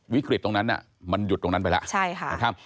วิกฤตตรงนั้นมันหยุดตรงนั้นไปแล้วใช่ค่ะนะครับ